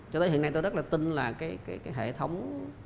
cho đến hiện nay tôi rất là tin là cái hệ thống